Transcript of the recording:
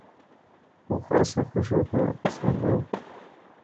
او خاصا خوش ہو کے واپس ایندا اے۔